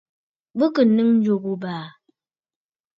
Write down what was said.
Bɨ kɨ̀ nɨ̌ŋ ǹjò ghu abàà.